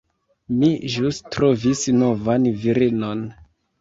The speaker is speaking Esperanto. Mi ĵus trovis novan virinon.